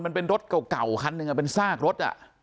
มันเป็นรถเก่าคันหนึ่งเป็นซากรถ